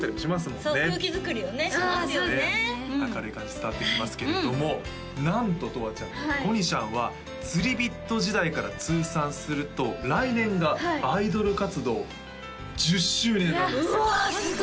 伝わってきますけれどもなんととわちゃんこにしゃんはつりビット時代から通算すると来年がアイドル活動１０周年なんですようわ